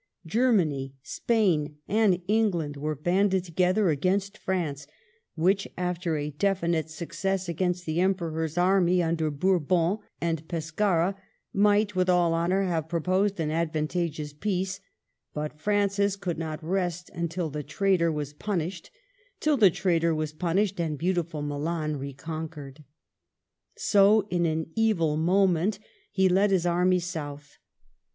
Germany, Spain, and Eng land were banded together against France, which, after a definite success against the Emperor's army under Bourbon and Pescara, might with all honor have proposed an advan tageous peace; but Francis could not rest till the traitor was punished, — till the traitor was punished and beautiful Milan reconquered. So, in an evil moment, he led his armies south.